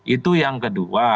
itu yang kedua